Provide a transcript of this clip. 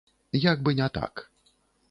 Як бы не так.